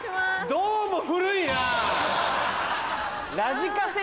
どうも古いなぁ。